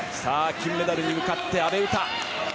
金メダルに向かって阿部詩。